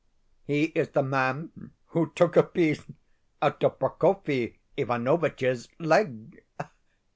He is the man who took a piece out of Prokofi Ivanovitch's leg.